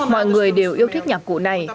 mọi người đều yêu thích nhạc cụ này